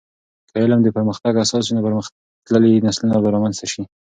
که علم د پرمختګ اساس وي، نو پرمختللي نسلونه به رامنځته سي.